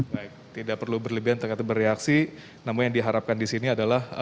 baik tidak perlu berlebihan terkait bereaksi namun yang diharapkan disini adalah